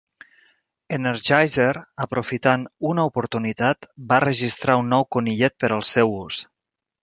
Energizer, aprofitant una oportunitat, va registrar un nou conillet per al seu ús.